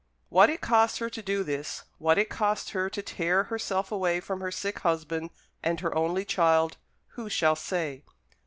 What it cost her to do this, what it cost her to tear herself away from her sick husband and her only child, who shall say?